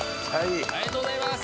ありがとうございます！